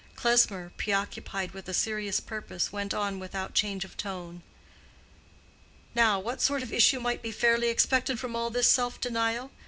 Klesmer, preoccupied with a serious purpose, went on without change of tone. "Now, what sort of issue might be fairly expected from all this self denial?